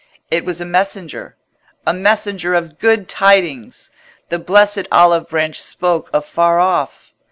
It was a messenger—a messenger of good tidings! The blessed olive branch spoke afar off.